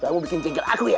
kamu bikin jengkel aku ya